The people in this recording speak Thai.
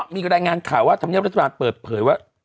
มีรายงานข่าวว่าธรรมเนียบรัฐบาลเปิดเผยว่า